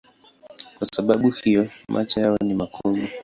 Kwa sababu ya hiyo macho yao ni makubwa.